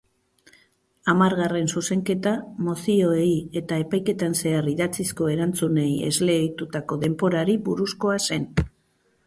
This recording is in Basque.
Hamargarren zuzenketa mozioei eta epaiketan zehar idatzizko erantzunei esleitutako denborari buruzkoa zen.